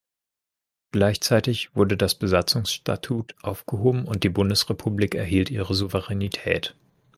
Gleichzeitig wurde das Besatzungsstatut aufgehoben und die Bundesrepublik erhielt ihre Souveränität.